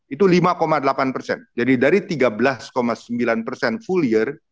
itu lima delapan persen jadi dari tiga belas sembilan persen full year